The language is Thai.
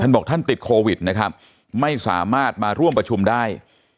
บอกท่านติดโควิดนะครับไม่สามารถมาร่วมประชุมได้